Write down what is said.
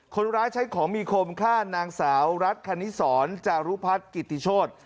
คนร้ายใช้ของมีคมฆ่านางสาวรัฐคณิสรจารุพัฒน์กิติโชธ